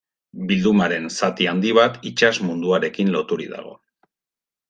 Bildumaren zati handi bat itsas munduarekin loturik dago.